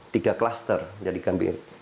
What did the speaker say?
tiga kluster jadi gambil